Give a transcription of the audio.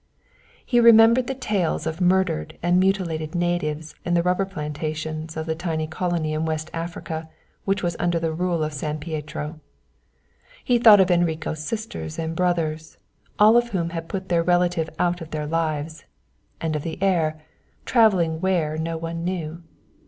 He remembered the tales of murdered and mutilated natives in the rubber plantations of the tiny colony in West Africa which was under the rule of San Pietro. He thought of Enrico's sisters and brothers, all of whom had put their relative out of their lives and of the heir, travelling where no one knew.